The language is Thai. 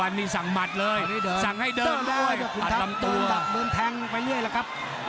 คนทัพน้องข่าวดมเป็นแทงไปดีโตรี